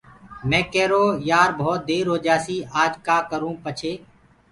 مي ڪيرو يآر ڀوتَ دير هوجآسي آج ڪآ ڪرونٚ پڇي